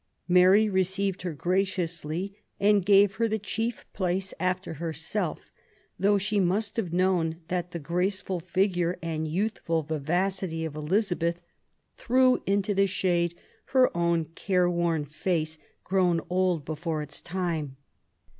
Mary received her graciously and gave her the chief place after herself, though she must have known that the graceful figure and youthful vivacity of Elizabeth threw into the shade her own careworn face, grown old before its time.